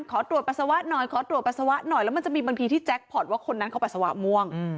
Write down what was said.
ขอตรวจปัสสาวะหน่อยขอตรวจปัสสาวะหน่อยแล้วมันจะมีบางทีที่แจ็คพอร์ตว่าคนนั้นเขาปัสสาวะม่วง